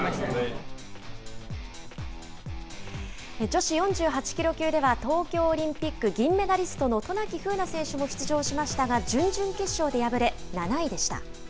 女子４８キロ級では、東京オリンピック銀メダリストの渡名喜風南選手も出場しましたが、準々決勝で敗れ、７位でした。